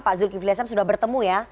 pak zulkifli hasan sudah bertemu ya